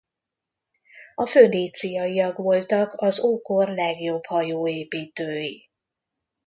A föníciaiak voltak az ókor legjobb hajóépítői.